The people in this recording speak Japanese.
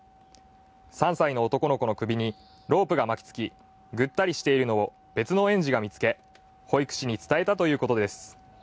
３歳の男の子の首にロープが巻きつき、ぐったりしているのを別の園児が見つけ、保育士に伝えたということです。